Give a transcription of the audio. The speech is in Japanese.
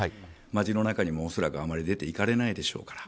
街の中にも恐らく出て行かれないでしょうから。